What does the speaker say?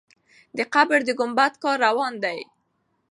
د قبر د ګمبد کار روان دی.